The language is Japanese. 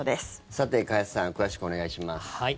さて、加谷さん詳しくお願いします。